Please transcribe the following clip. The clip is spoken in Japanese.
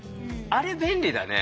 あれ便利だね。